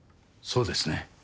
そうですね。